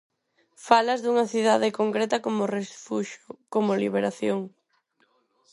Falas dunha cidade concreta como refuxio, como liberación.